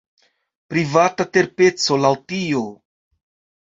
Privata terpeco, laŭ tio.